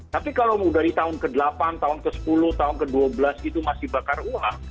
tapi kalau mau dari tahun ke delapan tahun ke sepuluh tahun ke dua belas itu masih bakar uang